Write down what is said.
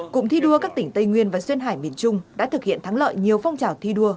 cụm thi đua các tỉnh tây nguyên và duyên hải miền trung đã thực hiện thắng lợi nhiều phong trào thi đua